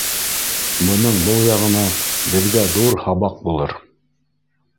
Бының был яғына беҙгә ҙур һабаҡ булыр.